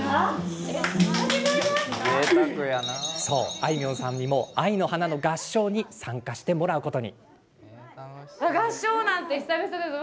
あいみょんさんも「愛の花」の合唱に参加することに。